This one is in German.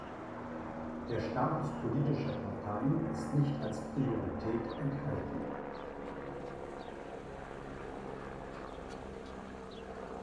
Der Status politischer Parteien ist nicht als Priorität enthalten.